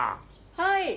はい。